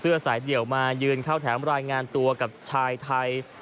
สายเดี่ยวมายืนเข้าแถมรายงานตัวกับชายไทย